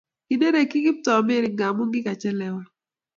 Kinerekyi Kiptoo Mary ngamu kikachelewan